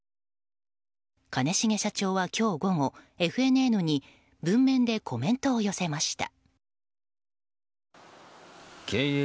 兼重社長は今日午後、ＦＮＮに文面でコメントを寄せました。